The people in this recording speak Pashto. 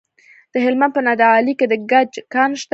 د هلمند په نادعلي کې د ګچ کان شته.